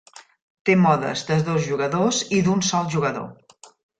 Té modes de dos jugadors i d'un sol jugador.